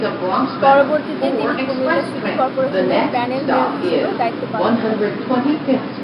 পরবর্তীতে তিনি কুমিল্লা সিটি করপোরেশনের প্যানেল মেয়র হিসেবেও দায়িত্ব পালন করেন।